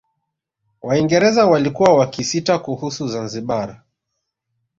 Waingereza walikuwa wakisita kuhusu Zanzibar